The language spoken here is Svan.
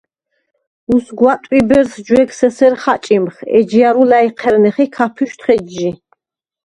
უსგვა, ტვიბერს ჯვეგს ესერ ხაჭიმხ, ეჯჲა̈რუ ლა̈ჲჴერნეხ ი ქაფიშთვხ ეჯჟი.